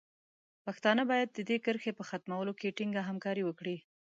پښتانه باید د دې کرښې په ختمولو کې ټینګه همکاري وکړي.